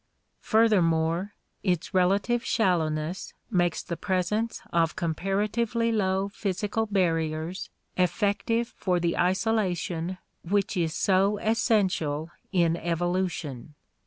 Furthermore, its relative shallowness makes the presence of comparatively low physical barriers effective for the isolation which is so essential in evolution.